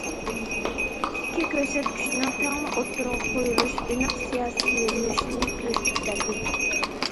ئىككى كۆرسەتكۈچنىڭ تەڭلا ئوتتۇرىغا قويۇلۇشى ئېنىق سىياسىي يۆنىلىشنى كۆرسىتىپ بەردى.